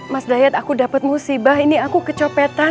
mas dayat aku dapat musibah ini aku kecopetan